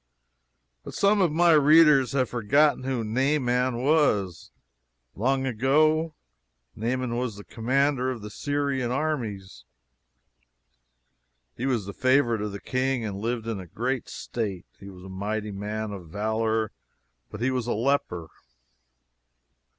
But some of my readers have forgotten who Naaman was, long ago. Naaman was the commander of the Syrian armies. He was the favorite of the king and lived in great state. "He was a mighty man of valor, but he was a leper."